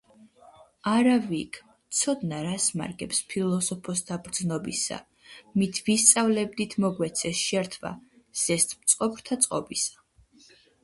არა ვიქმ, ცოდნა რას მარგებს ფილოსოფოსთა ბრძნობისა, მით ვისწავლებით, მოგვეცეს შერთვა ზესთ მწყობრთა წყობისა.